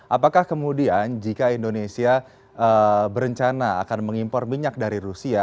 apakah kemudian jika indonesia berencana akan mengimpor minyak dari rusia